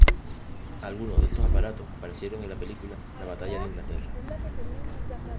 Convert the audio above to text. Algunos de estos aparatos aparecieron en la película La Batalla de Inglaterra.